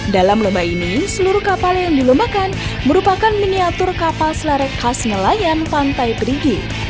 dalam lomba ini seluruh kapal yang dilombakan merupakan miniatur kapal selerek khas nelayan pantai perigi